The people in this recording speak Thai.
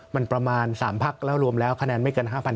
มันประมาณ๓พักแล้วรวมแล้วคะแนนไม่เกิน๕๐๐